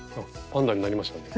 パンダになりましたね。